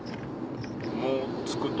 もう着くと。